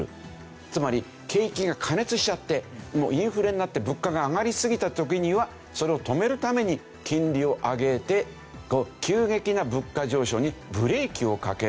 つまり景気が加熱しちゃってインフレになって物価が上がりすぎた時にはそれを止めるために金利を上げて急激な物価上昇にブレーキをかける。